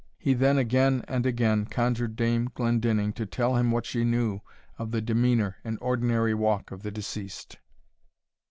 He then again and again conjured Dame Glendinning to tell him what she knew of the demeanour and ordinary walk of the deceased.